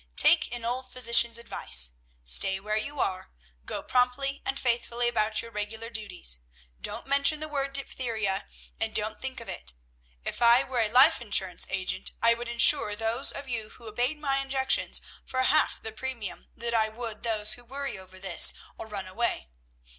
"Take an old physician's advice. Stay where you are, go promptly and faithfully about your regular duties, don't mention the word diphtheria, and don't think of it. If I were a life insurance agent, I would insure those of you who obeyed my injunctions for half the premium that I would those who worry over this, or run away.